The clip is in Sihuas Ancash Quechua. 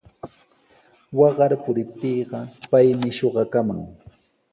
Waqar puriptiiqa paymi shuqakaman.